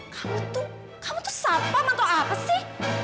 kamu tuh kamu tuh sapam atau apa sih